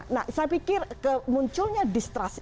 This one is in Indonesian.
nah saya pikir munculnya distrust